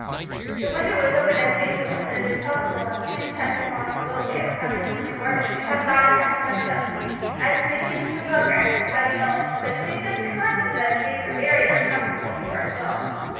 The window was open as usual, and it is possible that tramps passing along the road may have come into the garden and have got in at the window. As in the case of the book I suspect no one, but two such occurrences as these are very uncomfortable for us all.